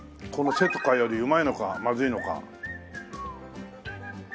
このせとかよりうまいのかまずいのか。